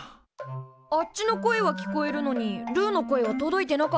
あっちの声は聞こえるのにルーの声は届いてなかったんだよね？